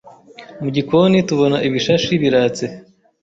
mu gikoni tubona ibishashi biratse